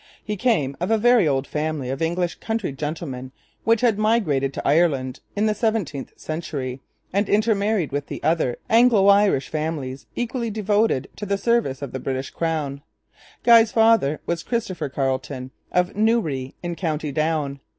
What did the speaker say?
He came of a very old family of English country gentlemen which had migrated to Ireland in the seventeenth century and intermarried with other Anglo Irish families equally devoted to the service of the British Crown. Guy's father was Christopher Carleton of Newry in County Down.